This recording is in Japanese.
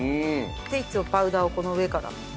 でいつもパウダーをこの上から。